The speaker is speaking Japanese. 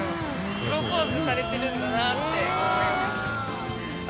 プロポーズされてるんだなって思います